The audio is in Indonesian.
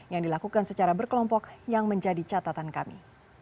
yang dilakukan secara berkelompok yang menjadi catatan kami